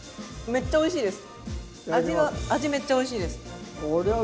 めっちゃおいしいです。